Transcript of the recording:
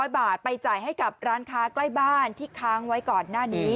๐บาทไปจ่ายให้กับร้านค้าใกล้บ้านที่ค้างไว้ก่อนหน้านี้